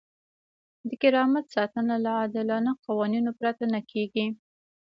د کرامت ساتنه له عادلانه قوانینو پرته نه کیږي.